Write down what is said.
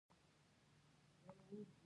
په فراه کې د کافر کلا نښې شته